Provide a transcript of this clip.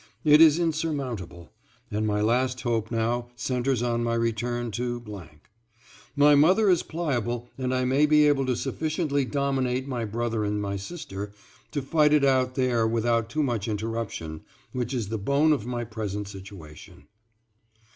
It is insurmountable, and my last hope now centers on my return to .... My mother is pliable and I may be able to sufficiently dominate my brother and my sister to fight it out there without too much interruption, which is the bone of my present situation.